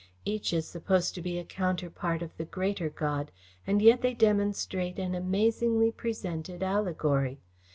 Each is supposed to be a counterpart of the greater God, and yet they demonstrate an amazingly presented allegory.